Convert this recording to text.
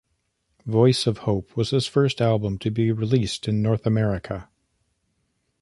"Voice Of Hope" was his first album to be released in North America.